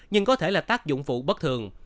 nhưng có thể là tác dụng phụ bất thường